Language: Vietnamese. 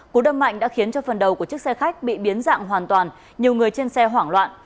cú đâm mạnh đã khiến cho phần đầu của chiếc xe khách bị biến dạng hoàn toàn nhiều người trên xe hoảng loạn